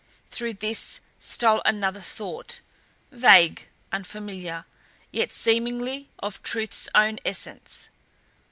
Through this stole another thought vague, unfamiliar, yet seemingly of truth's own essence.